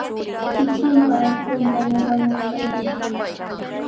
Kikinpa allquntami wañuskachishqa.